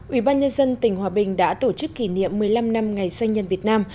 ủy ban nhân dân tỉnh hòa bình đã tổ chức kỷ niệm một mươi năm năm ngày doanh nhân việt nam